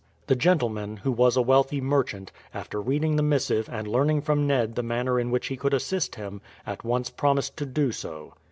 The gentleman, who was a wealthy merchant, after reading the missive and learning from Ned the manner in which he could assist him, at once promised to do so.